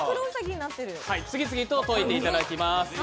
次々と解いていただきます。